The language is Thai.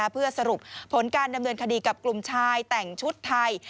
เพื่อสรุปผลการดำเนินคดีกับกลุ่มชายแต่งชุดไทย